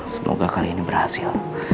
semoga kali ini berhasil